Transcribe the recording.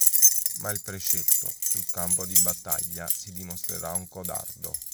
Ma il prescelto, sul campo di battaglia, si dimostrerà un codardo.